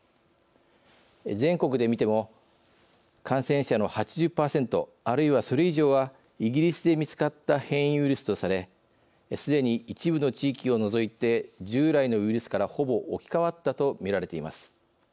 全国で見ても、感染者の８０％あるいは、それ以上はイギリスで見つかった変異ウイルスとされすでに「一部の地域を除いて従来のウイルスからほぼ置き換わった」とみられています。